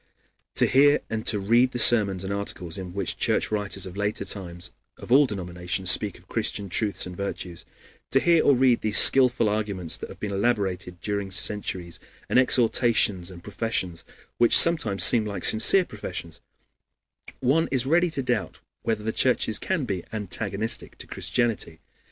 To hear and to read the sermons and articles in which Church writers of later times of all denominations speak of Christian truths and virtues; to hear or read these skillful arguments that have been elaborated during centuries, and exhortations and professions, which sometimes seem like sincere professions, one is ready to doubt whether the churches can be antagonistic to Christianity.